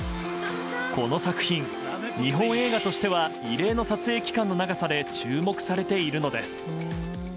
この作品、日本映画としては異例の撮影期間の長さで注目されているのです。